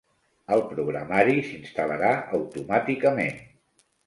El programari s"instal·larà automàticament.